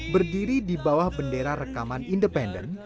berdiri di bawah bendera rekaman independen